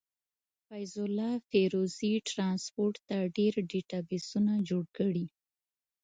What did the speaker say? فيض الله فيروزي ټرانسپورټ ته ډير ډيټابسونه جوړ کړي.